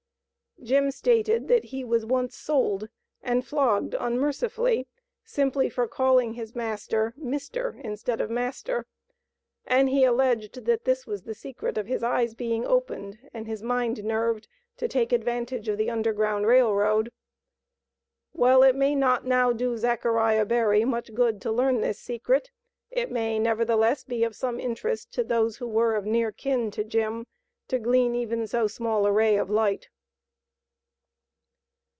Jim stated, that he was once sold and flogged unmercifully simply for calling his master "Mr.," instead of master, and he alleged that this was the secret of his eyes being opened and his mind nerved to take advantage of the Underground Rail Road. While it may not now do Zachariah Berry much good to learn this secret, it may, nevertheless, be of some interest to those who were of near kin to Jim to glean even so small a ray of light.